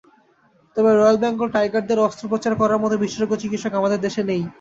তবে রয়েল বেঙ্গল টাইগারদের অস্ত্রোপচার করার মতো বিশেষজ্ঞ চিকিত্সক আমাদের দেশে নেই।